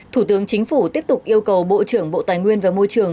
thủ tướng chính phủ tiếp tục yêu cầu bộ trưởng bộ tài nguyên và môi trường